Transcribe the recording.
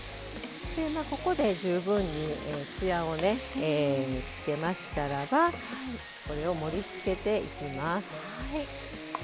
ここで十分につやをねつけましたらばこれを盛りつけていきます。